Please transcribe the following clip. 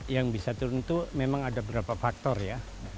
yang bisa turun itu memang ada beberapa faktor ya